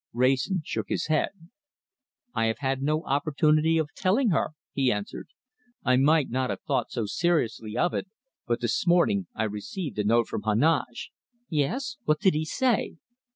Wrayson shook his head. "I have had no opportunity of telling her," he answered. "I might not have thought so seriously of it, but this morning I received a note from Heneage." "Yes! What did he say?"